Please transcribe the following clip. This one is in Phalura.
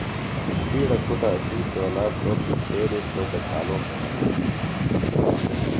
ݜیڑہ کُھٹہ اسی چولا تروکیۡ چھیلِم تروۡکہ چھالوم تھےۡ منانہ